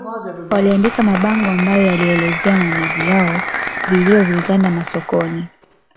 Waliandika mabango ambayo yalielezea maumivu yao vilio vilitanda masokoni